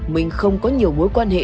minh không có nhiều mối quan hệ